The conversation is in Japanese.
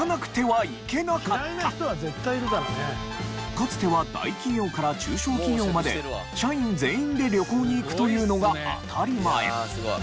かつては大企業から中小企業まで社員全員で旅行に行くというのが当たり前。